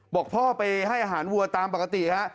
บอกพ่อไปให้อาหารวัวตามปกติฮะ